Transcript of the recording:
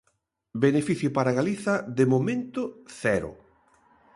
Beneficio para Galiza, de momento, cero.